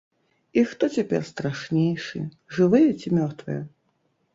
І хто цяпер страшнейшы, жывыя ці мёртвыя?